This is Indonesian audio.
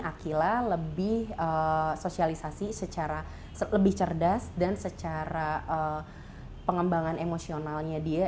akila lebih sosialisasi secara lebih cerdas dan secara pengembangan emosionalnya dia